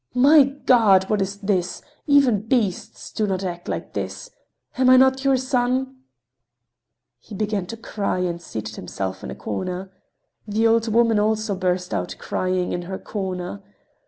"My God! What is this? Even beasts do not act like this! Am I not your son?" He began to cry, and seated himself in a corner. The old woman also burst out crying in her corner.